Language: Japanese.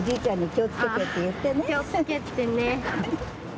気をつけてね。